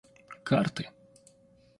карты